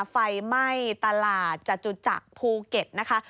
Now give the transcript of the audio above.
ไฟไหม้ตลาดจตุจักรภูเก็ตนะคะ